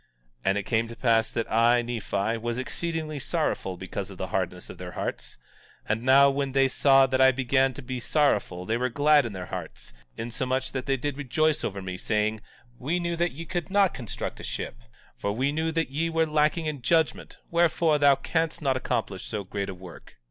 17:19 And now it came to pass that I, Nephi, was exceedingly sorrowful because of the hardness of their hearts; and now when they saw that I began to be sorrowful they were glad in their hearts, insomuch that they did rejoice over me, saying: We knew that ye could not construct a ship, for we knew that ye were lacking in judgment; wherefore, thou canst not accomplish so great a work.